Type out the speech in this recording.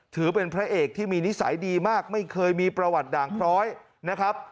ถือเป็นพระเอกที่มีนิสัยดีมากไม่เคยมีประวัติด่างคล้อยนะครับ